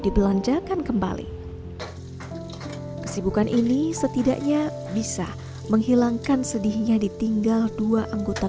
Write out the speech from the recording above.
dibelanjakan kembali kesibukan ini setidaknya bisa menghilangkan sedihnya ditinggal dua anggota